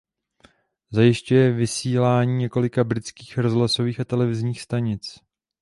Zajišťuje vysílání několika britských rozhlasových a televizních stanic.